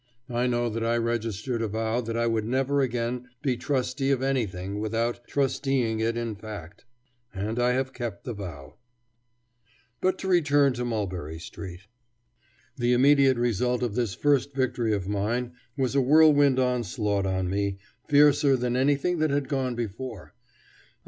I know that I registered a vow that I would never again be trustee of anything without trusteeing it in fact. And I have kept the vow. [Illustration: Tribune Police Bureau. ] But to return to Mulberry Street. The immediate result of this first victory of mine was a whirlwind onslaught on me, fiercer than anything that had gone before.